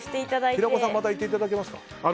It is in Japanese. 平子さんまた行っていただけますか。